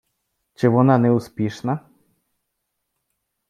чи вона не успішна?